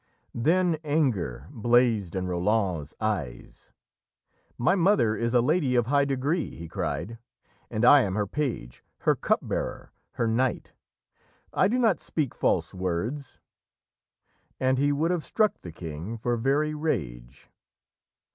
Then anger blazed in Roland's eyes. "My mother is a lady of high degree!" he cried, "and I am her page, her cupbearer, her knight! I do not speak false words!" and he would have struck the King for very rage.